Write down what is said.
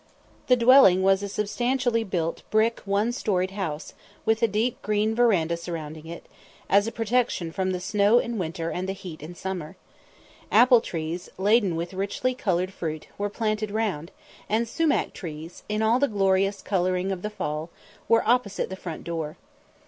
The dwelling was a substantially built brick one storied house, with a deep green verandah surrounding it, as a protection from the snow in winter and the heat in summer. Apple trees, laden with richly coloured fruit, were planted round, and sumach trees, in all the glorious colouring of the fall, were opposite the front door.